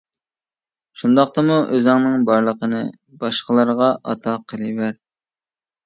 شۇنداقتىمۇ ئۆزۈڭنىڭ بارلىقىنى باشقىلارغا ئاتا قىلىۋەر.